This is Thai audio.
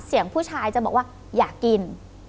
เสียงผู้ชายจะบอกว่าอยากกิน